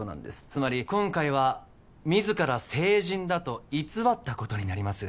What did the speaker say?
つまり今回は自ら成人だと偽ったことになります